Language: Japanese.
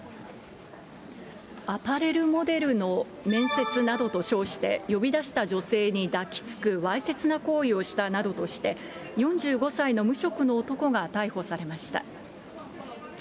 アパレルモデルの面接などと称して、呼び出した女性に抱きつくわいせつな行為をしたなどとして、４５歳の無職の男が逮捕されました。